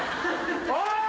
おい！